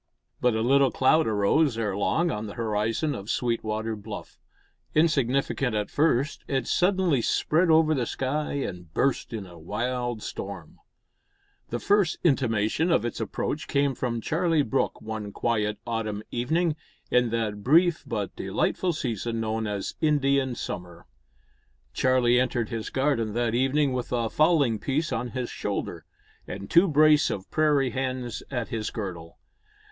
But a little cloud arose ere long on the horizon of Sweetwater Bluff. Insignificant at first, it suddenly spread over the sky and burst in a wild storm. The first intimation of its approach came from Charlie Brooke one quiet autumn evening, in that brief but delightful season known as the Indian Summer. Charlie entered his garden that evening with a fowling piece on his shoulder, and two brace of prairie hens at his girdle.